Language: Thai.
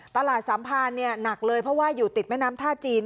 สัมพานหนักเลยเพราะว่าอยู่ติดแม่น้ำท่าจีน